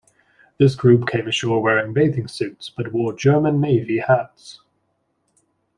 This group came ashore wearing bathing suits but wore German Navy hats.